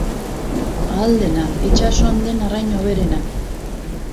Ahal dena, itsasoan den arrain hoberena.